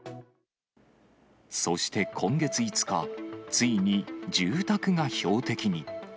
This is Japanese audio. そして今月５日、ついに住宅が標的に。